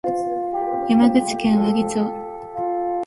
山口県和木町